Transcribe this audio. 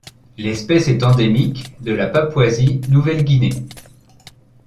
L'espèce est endémique de la Papouasie Nouvelle-Guinée.